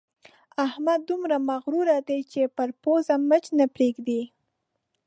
احمد دومره مغروره دی چې پر پزه مچ نه پرېږدي.